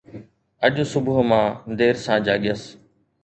اڄ صبح مان دير سان جاڳيس